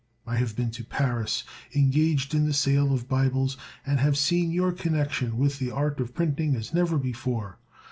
I have been to Paris, engaged in the sale of Bibles, and have seen your connection with the art of printing as never before.